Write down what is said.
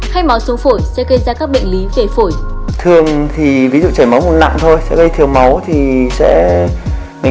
hay máu xuống phổi